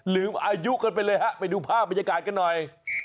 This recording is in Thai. ลืมอายุกันไปเลยฮะไปดูภาพบรรยากาศกันหน่อย